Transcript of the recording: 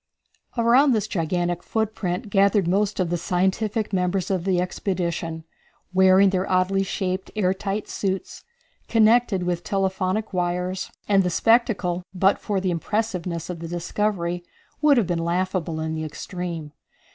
Around this gigantic footprint gathered most of the scientific members of the expedition, wearing their oddly shaped air tight suits, connected with telephonic wires, and the spectacle, but for the impressiveness of the discovery, would have been laughable in the extreme.